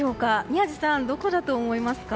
宮司さんどこだと思いますか？